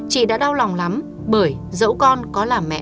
chị đã đau lòng lắm bởi dẫu con có làm mẹ